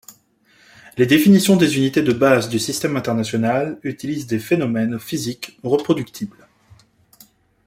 Les définitions des unités de base du Système international utilisent des phénomènes physiques reproductibles.